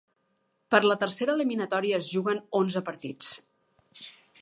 Per la tercera eliminatòria es juguen onze partits.